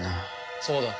そうだ。